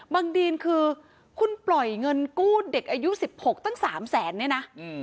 ดีนคือคุณปล่อยเงินกู้เด็กอายุ๑๖ตั้ง๓แสนเนี่ยนะ